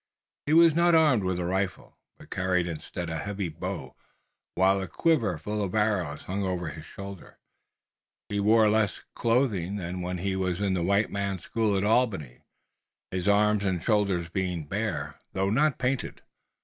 He was not armed with a rifle, but carried instead a heavy bow, while a quiver full of arrows hung over his shoulder. He wore less clothing than when he was in the white man's school at Albany, his arms and shoulders being bare, though not painted.